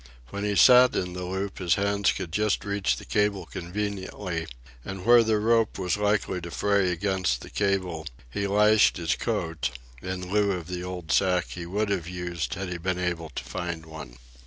When he sat in the loop his hands could just reach the cable conveniently, and where the rope was likely to fray against the cable he lashed his coat, in lieu of the old sack he would have used had he been able to find one.